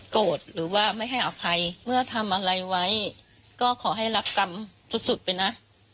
ขอให้รับกรรมสุดไปนะ